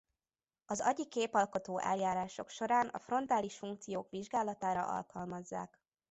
Az agyi képalkotó eljárások során a frontális funkciók vizsgálatára alkalmazzák.